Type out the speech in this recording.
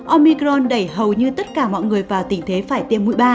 omicron đẩy hầu như tất cả mọi người vào tình thế phải tiêm mũi ba